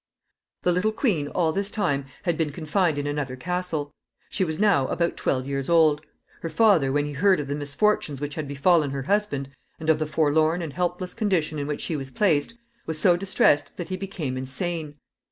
The little queen all this time had been confined in another castle. She was now about twelve years old. Her father, when he heard of the misfortunes which had befallen her husband, and of the forlorn and helpless condition in which she was placed, was so distressed that he became insane.